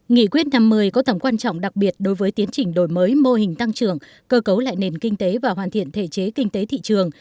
nghị quyết năm một mươi có tầm quan trọng đặc biệt đối với tiến trình đổi mới mô hình tăng trưởng cơ cấu lại nền kinh tế và hoàn thiện thể chế kinh tế thị trường